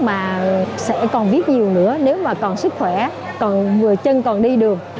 mà sẽ còn viết nhiều nữa nếu mà còn sức khỏe chân còn đi được